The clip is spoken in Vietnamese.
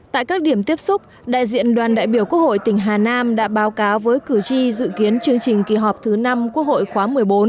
tại các điểm tiếp xúc đại diện đoàn đại biểu quốc hội tỉnh hà nam đã báo cáo với cử tri dự kiến chương trình kỳ họp thứ năm quốc hội khóa một mươi bốn